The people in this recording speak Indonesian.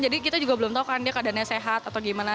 jadi kita juga belum tau kan dia keadaannya sehat atau gimana